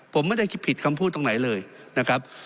ผมไม่ได้คิดผิดคำพูดตรงไหนเลยนะครับ